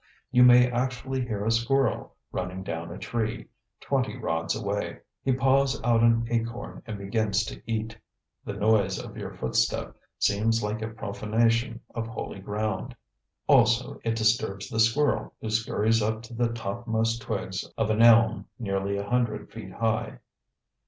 You may actually hear a squirrel running down a tree, twenty rods away. He paws out an acorn and begins to eat. The noise of your footstep seems like a profanation of holy ground. Also it disturbs the squirrel who scurries up to the topmost twigs of an elm nearly a hundred feet high.